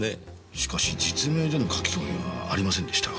しかし実名での書き込みはありませんでしたが。